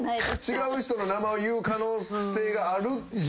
違う人の名前を言う可能性があるっていうのは。